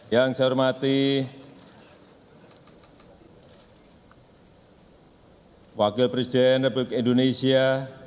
yang saya hormati wakil presiden republik indonesia